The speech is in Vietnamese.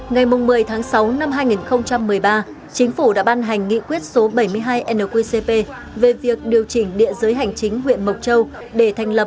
ngày một mươi tháng sáu năm hai nghìn một mươi ba chính phủ đã ban hành nghị quyết số bảy mươi hai nqcp về việc điều chỉnh địa giới hành chính huyện mộc châu để thành lập